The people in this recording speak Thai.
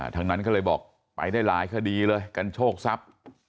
ทั้งนั้นก็เลยบอกไปได้หลายคดีเลยกันโชคทรัพย์